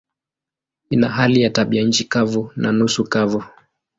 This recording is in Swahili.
Ina hali ya tabianchi kavu na nusu kavu.